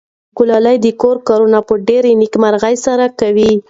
ګلالۍ د کور کارونه په ډېرې نېکمرغۍ سره کوي.